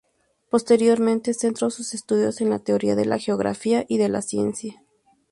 Posteriormente centró sus estudios en la teoría de la geografía y de la ciencia.